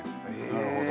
なるほど。